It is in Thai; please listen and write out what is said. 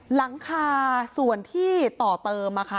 หลังคาส่วนที่ต่อเติมนะคะ